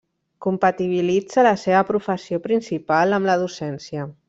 Compatibilitza la seva professió principal amb la docència.